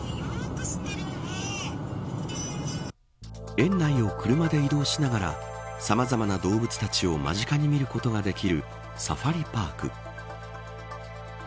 園内を車で移動しながらさまざまな動物たちを間近に見ることができるサファリパーク。